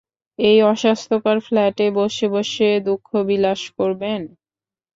এই অস্বাস্থ্যকর ফ্ল্যাটে বসে বসে দুঃখবিলাস করবেন?